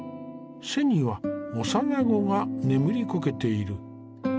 背には幼子が眠りこけている。